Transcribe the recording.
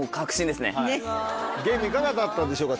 ゲームいかがだったでしょうか？